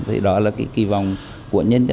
thì đó là kỳ vọng của nhân dân